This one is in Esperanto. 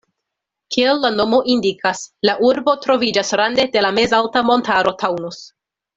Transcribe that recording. Kiel la nomo indikas, la urbo troviĝas rande de la mezalta montaro Taunus.